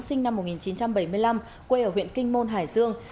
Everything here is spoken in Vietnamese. sinh năm một nghìn chín trăm bảy mươi năm quê ở huyện kinh môn hải dương